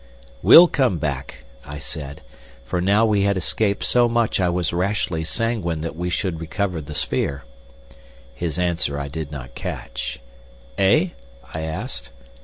"We'll come back," I said, for now we had escaped so much I was rashly sanguine that we should recover the sphere. His answer I did not catch. "Eh?" I asked.